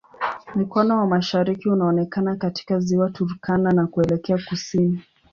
Mkono wa mashariki unaonekana katika Ziwa Turkana na kuelekea kusini.